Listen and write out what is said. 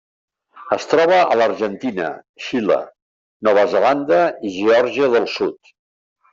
Es troba a l'Argentina, Xile, Nova Zelanda i Geòrgia del Sud.